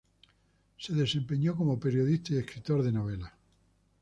Se desempeñó como periodista y escritor de novelas.